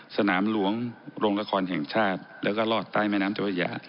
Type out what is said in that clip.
สนามหลวงโรงละครแห่งชาติแล้วก็รอดใต้แม่น้ำเจ้าพระยา